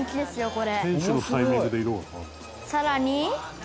これ！」